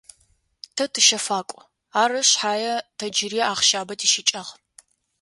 Тэ тыщэфакӏу, ары шъхьае тэ джыри ахъщабэ тищыкӏагъ.